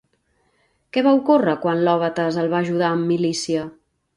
Què va ocórrer quan Iòbates el va ajudar amb milícia?